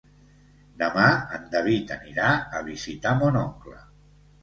Demà en David anirà a visitar mon oncle.